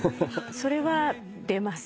それは出ます。